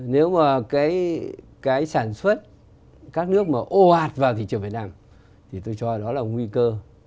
nếu mà cái sản xuất các nước mà ô ạt vào thị trường việt nam thì tôi cho nó là nguy cơ